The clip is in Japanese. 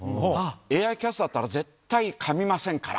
ＡＩキャスターっていったら、絶対かみませんから。